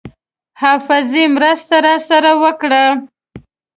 حافظې مرسته راسره وکړه.